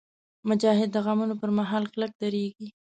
مجاهد د غمونو پر مهال کلک درېږي.